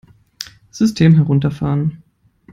System herunterfahren!